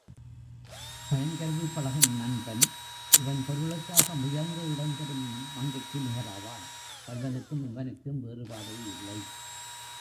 பயன் கருதிப் பழகும் நண்பன் இவன் பொருளுக்காக முயங்க இடந்தரும் மங்கைக்கு நிகராவான் கள்வனுக்கும் இவனுக்கும் வேறுபாடே இல்லை.